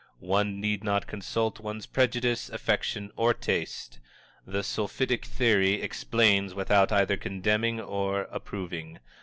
One need not consult one's prejudice, affection or taste the Sulphitic Theory explains without either condemning or approving.